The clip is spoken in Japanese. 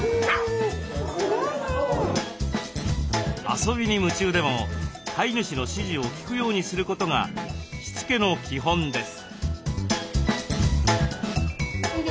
遊びに夢中でも飼い主の指示を聞くようにすることがしつけの基本です。